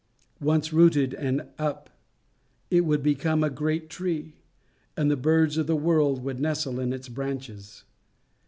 Once rooted and up, it would become a great tree, and the birds of the world would nestle in its branches.